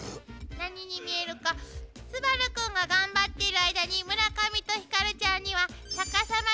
何に見えるか昴くんが頑張っている間に村上とひかるちゃんにはありがとう！